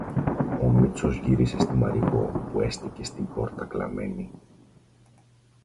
Ο Μήτσος γύρισε στη Μαριγώ που έστεκε στην πόρτα κλαμένη.